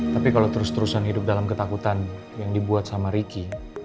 tapi kalau terus terusan hidup dalam ketakutan yang dibuat sama ricky